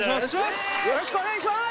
よろしくお願いします